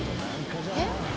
えっ？